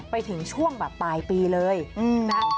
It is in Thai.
ไปถึงช่วงแบบปลายปีเลยนะ